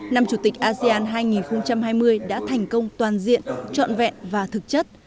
năm chủ tịch asean hai nghìn hai mươi đã thành công toàn diện trọn vẹn và thực chất